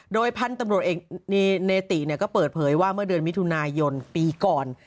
โดยพันธุ์ตำรวจเอกเนติก็เปิดเผยว่าเมื่อเดือนมิถุนายนปีก่อน